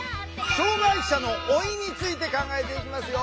「障害者の老い」について考えていきますよ。